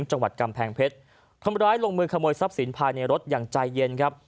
จังหวัดกำแพงเพชรคนร้ายลงมือขโมยทรัพย์สินภายในรถอย่างใจเย็นครับ